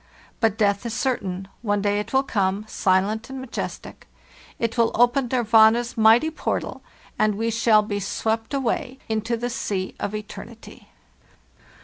But death is certain; one day it will come, silent and bo bo HFARTHEST NORTH majestic; it will open Nirvana's mighty portal, and we shall be swept away into the sea of eternity.